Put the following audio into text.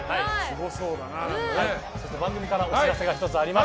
そして番組からお知らせが１つあります。